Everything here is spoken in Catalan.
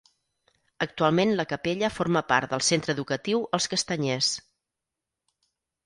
Actualment la capella forma part del Centre Educatiu Els Castanyers.